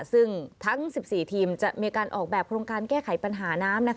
ซึ่งทั้ง๑๔ทีมจะมีการออกแบบโครงการแก้ไขปัญหาน้ำ